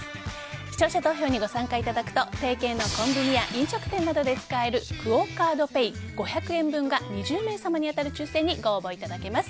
視聴者投票にご参加いただくと提携のコンビニや飲食店などで使えるクオ・カードペイ５００円分が２０名様に当たる抽選にご応募いただけます。